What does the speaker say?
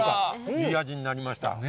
いい味になりました。